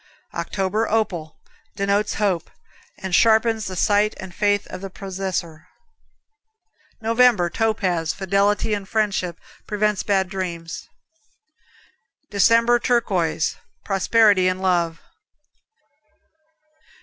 October, Opal Denotes hope, and sharpens the sight and faith of the possessor. November, Topaz Fidelity and friendship. Prevents bad dreams. December, Turquoise Prosperity in love.